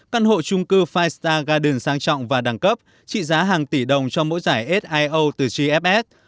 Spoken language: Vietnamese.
căn hộ trung cư filestar garden sang trọng và đẳng cấp trị giá hàng tỷ đồng cho mỗi giải sio từ gfs